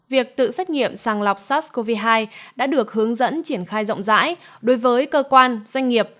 việc tự xét nghiệm sàng lọc sars cov hai đã được hướng dẫn triển khai rộng rãi đối với cơ quan doanh nghiệp